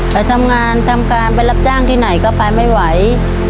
ไปทำงานทำการไปรับจ้างที่ไหนก็ไปไม่ไหว